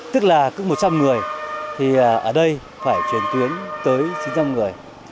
tức là cứ một trăm linh người thì ở đây phải chuyển tuyến tới chín trăm linh người